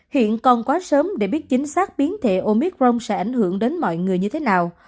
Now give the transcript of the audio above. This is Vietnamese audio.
hiện còn quá sớm để biết chính xác biến thể omicron sẽ ảnh hưởng đến mọi người như thế nào